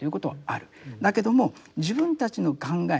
だけども自分たちの考え